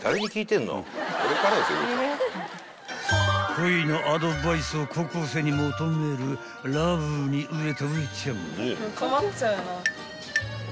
［恋のアドバイスを高校生に求めるラブに飢えたウエちゃん］